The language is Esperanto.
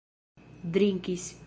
drinkis